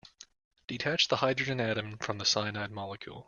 Detach the hydrogen atom from the cyanide molecule.